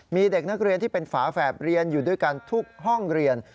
มีเด็กนักเรียนที่เป็นฝาแฝดเรียนอยู่ด้วยกันทุกห้องเรียน